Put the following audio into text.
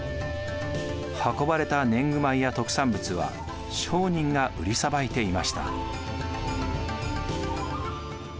運ばれた年貢米や特産物は商人が売りさばいていました。